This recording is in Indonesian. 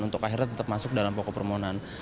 untuk akhirnya tetap masuk dalam pokok permohonan